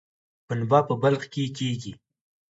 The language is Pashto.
پنبه په بلخ کې کیږي